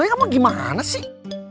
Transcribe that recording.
ya gimana sih